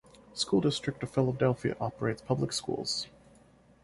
School District of Philadelphia operates public schools.